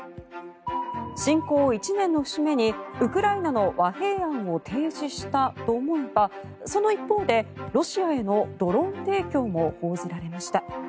侵攻１年の節目にウクライナの和平案を提示したと思えばその一方で、ロシアへのドローン提供も報じられました。